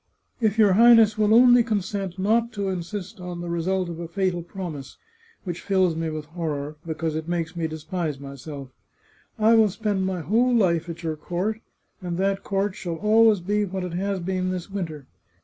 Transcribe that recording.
" If your Highness will only consent not to insist on the result of a fatal promise, which fills me with horror, because it makes me despise myself, I will spend my whole life at your court, and that court shall always be what it has been this winter.